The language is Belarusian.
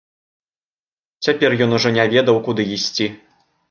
Цяпер ён ужо не ведаў, куды ісці.